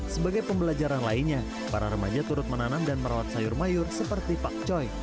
sebagai pembelajaran lainnya para remaja turut menanam dan merawat sayur mayur seperti pakcoy